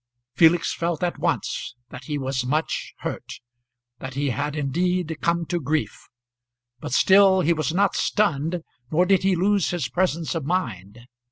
Felix felt at once that he was much hurt that he had indeed come to grief; but still he was not stunned nor did he lose his presence of mind.